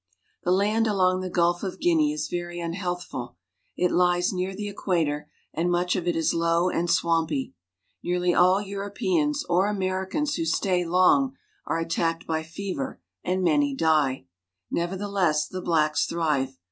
The land along the Gulf of Guinea is very unhealthful. It lies near the equator, and much of it is low and swampy. Nearly all Europeans or Americans who stay long are attacked by fever, and many die. Nevertheless, the blacks thrive.